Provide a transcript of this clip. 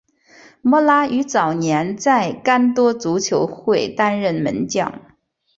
摩拉于早年在干多足球会担任门将。